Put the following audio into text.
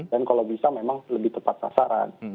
dan kalau bisa memang lebih tepat sasaran